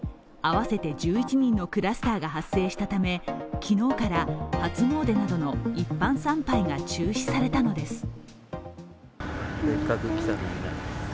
合わせて１１人のクラスターが発生したため昨日から初詣などの一般参拝が中止されたのです。